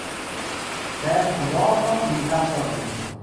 Cervo d'oro in campo azzurro.